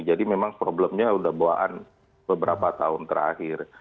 jadi memang problemnya sudah bawaan beberapa tahun terakhir